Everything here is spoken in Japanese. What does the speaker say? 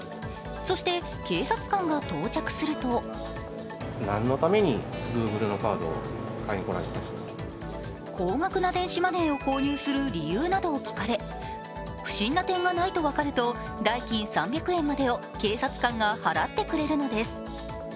そして警察官が到着すると高額な電子マネーを購入する理由などを聞かれ不審な点がないと分かると、代金３００円までを警察官が払ってくれるのです。